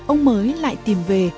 ông mới lại tìm về